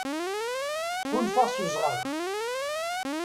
Ḥulfaɣ s uzɣab.